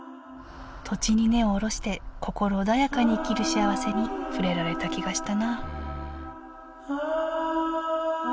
土地に根を下ろして心穏やかに生きるしあわせに触れられた気がしたなあ